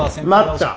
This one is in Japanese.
待った。